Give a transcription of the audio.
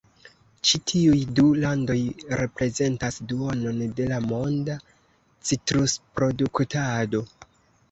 Ĉi tiuj du landoj reprezentas duonon de la monda citrusproduktado.